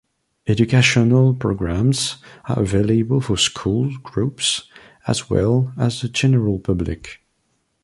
Educational programs are available for school groups as well as the general public.